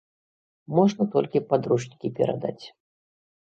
Можна толькі падручнікі перадаць.